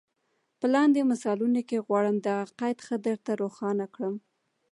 په لاندي مثالونو کي غواړم دغه قید ښه در ته روښان کړم.